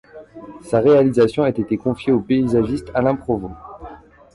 Sa réalisation a été confiée au paysagiste Alain Provost.